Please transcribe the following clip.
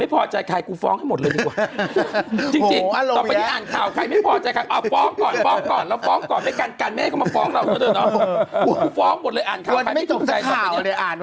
พร้อมหรือยัง